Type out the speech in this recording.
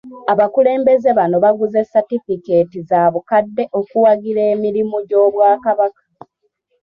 Abakulembeze bano baguze Satifikeeti za bukadde okuwagira emirimu gy'Obwakabaka.